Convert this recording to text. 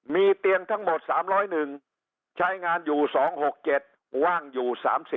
มีเตียงทั้งหมด๓๐๑ใช้งานอยู่๒๖๗ว่างอยู่๓๐